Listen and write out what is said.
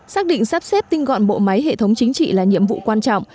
xác định sắp xếp tinh gọn bộ máy hệ thống chính trị là nhiệm vụ quan trọng